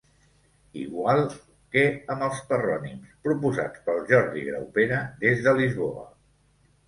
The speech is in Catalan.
Igual que amb els “parrònims” proposats pel Jordi Graupera des de Lisboa.